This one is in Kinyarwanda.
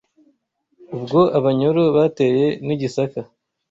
Ubwo Abanyoro bateye n’i Gisaka